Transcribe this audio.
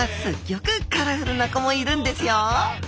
ギョくカラフルな子もいるんですよ。